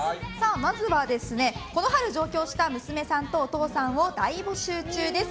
まずは、この春上京した娘さんとお父さんを大募集中です。